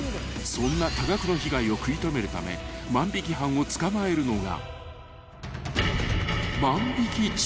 ［そんな多額の被害を食い止めるため万引犯を捕まえるのが］